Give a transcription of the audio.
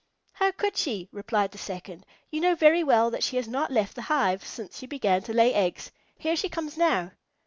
"How could she?" replied the second. "You know very well that she has not left the hive since she began to lay eggs. Here she comes now."